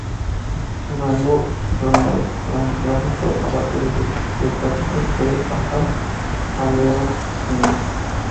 Su rango cronoestratigráfico abarca desde el Cretácico superior hasta el Paleoceno.